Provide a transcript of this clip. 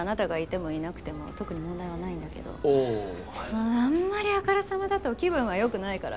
まああんまりあからさまだと気分は良くないから。